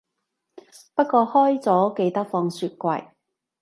不過開咗記得放雪櫃